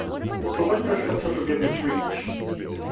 To what does such a forgiveness reach?